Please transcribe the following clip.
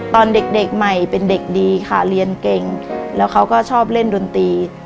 ตอนเด็กใหม่เป็นเด็กดีค่ะเรียนเก่งแล้วเขาก็ชอบเล่นดนตรี